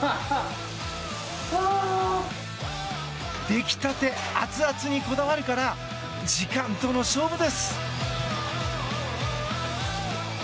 出来たて熱々にこだわるから時間との勝負です。